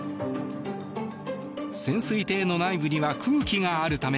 潜水艇の内部には空気があるため